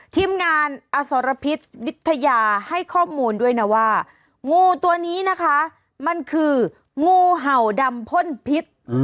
ทีมงานอสรพิษวิทยาให้ข้อมูลด้วยนะว่างูตัวนี้นะคะมันคืองูเห่าดำพ่นพิษ